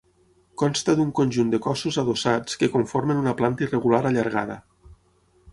Consta d'un conjunt de cossos adossats que conformen una planta irregular allargada.